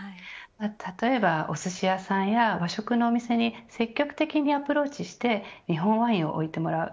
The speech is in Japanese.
例えば、おすし屋さんや和食のお店に積極的にアプローチして日本ワインを置いてもらう。